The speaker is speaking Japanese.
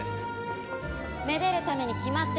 めでるために決まってるでしょ。